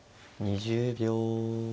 ２０秒。